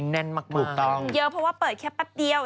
เยอะเพราะว่าเปิดแค่แป๊บเดียว